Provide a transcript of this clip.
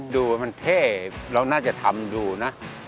ดูมันเท่เราน่าจะทำดูนะ